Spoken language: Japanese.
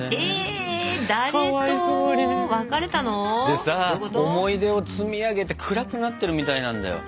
でさ思い出を積み上げて暗くなってるみたいなんだよ。